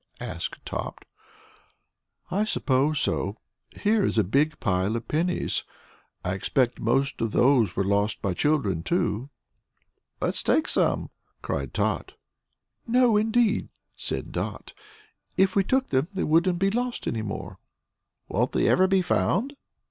asked Tot. "I suppose so. Here is a big pile of pennies. I expect most of those were lost by children, too." "Let's take some!" cried Tot. "No, indeed," said Dot, "if we took them they wouldn't be lost any more." "Won't they ever be found?"